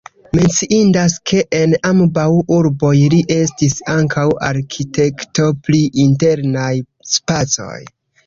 Menciindas, ke en ambaŭ urboj li estis ankaŭ arkitekto pri internaj spacoj.